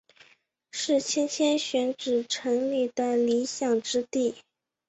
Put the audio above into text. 是莘莘学子成才的理想之地。